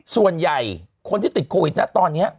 ส่วนใหญ่คนที่ติดโควิดนะตอนนี้